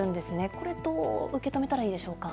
これどう受け止めたらいいでしょうか。